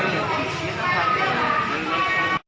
เมื่อเกิดที่สาปรับภาษา